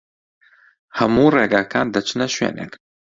هەموو ڕێگاکان دەچنە شوێنێک.